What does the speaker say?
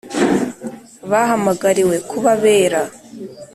bahamagariwe kuba abera